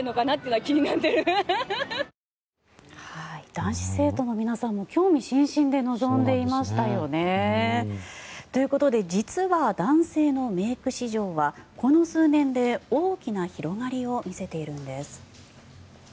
男子生徒の皆さんも興味津々で臨んでいましたよね。ということで、実は男性のメイク市場はこの数年で大きな広がりを見せているんです。